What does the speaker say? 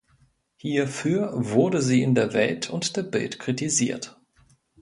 Hierfür wurde sie in der "Welt" und der "Bild" kritisiert.